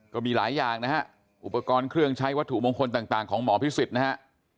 ก็มีหลายอย่างนะฮะอุปกรณ์เครื่องใช้วัตถุมงคลต่างของหมอพิสิทธิ์นะฮะ